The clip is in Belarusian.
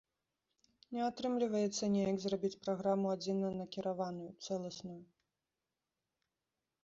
Не атрымліваецца неяк зрабіць праграму адзінанакіраваную, цэласную.